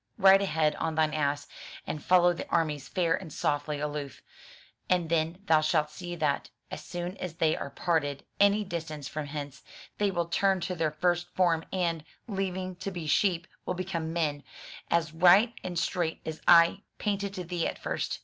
Ride ahead on thine ass, and follow the armies fair and softly aloof, and then thou shalt see that, as soon as they are parted any distance from hence, they will turn to their first form, and, leaving to be sheep, will become men, as right and straight as I painted to thee at first.